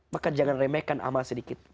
maka jangan remehkan amal sedikit